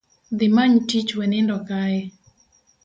Dhi many tiich we ndindo kae